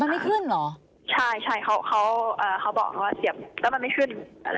มันไม่ขึ้นเหรอใช่ใช่เขาเขาเขาบอกว่าเสียบแล้วมันไม่ขึ้น